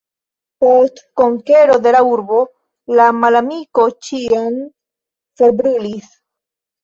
Post konkero de la urbo, la malamiko ĉion forbrulis.